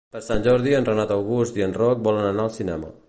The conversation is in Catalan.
Per Sant Jordi en Renat August i en Roc volen anar al cinema.